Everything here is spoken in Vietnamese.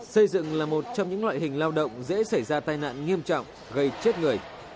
xây dựng là một trong những loại hình lao động dễ xảy ra tai nạn nghiêm trọng gây chết người